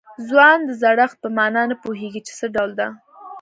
ځوان د زړښت په معنا نه پوهېږي چې څه ډول ده.